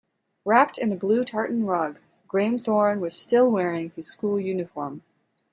Wrapped in a blue tartan rug, Graeme Thorne was still wearing his school uniform.